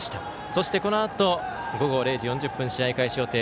そして、このあと午後０時４０分試合開始予定